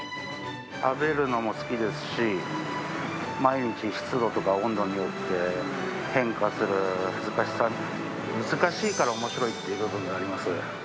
食べるのも好きですし、毎日湿度とか、温度によって、変化する難しさ、難しいからおもしろいっていう部分があります。